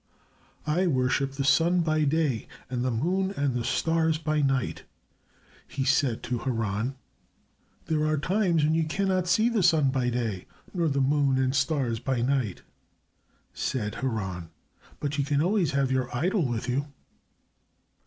"I worship the sun by day and the moon and the stars by night," he said to Haran. "There are times when you cannot see the sun by day, nor the moon and stars by night," said Haran, "but you can always have your idol with you."